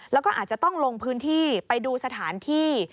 แล้วก็อาจจะต้องลงพื้นที่ไปดูสถานที่